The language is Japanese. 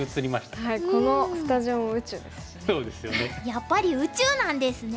やっぱり宇宙なんですね。